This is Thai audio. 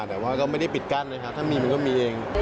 แต่ว่าก็ไม่ได้ปิดกั้นนะครับถ้ามีมันก็มีเอง